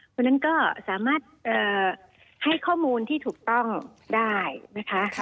คนนั้นก็สามารถให้ข้อมูลที่ถูกต้องได้นะคะ